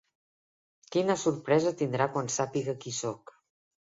Quina sorpresa tindrà quan sàpiga qui soc!